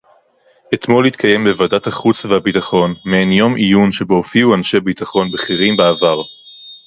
אתמול התקיים בוועדת החוץ והביטחון מעין יום עיון שבו הופיעו אנשי ביטחון בכירים בעבר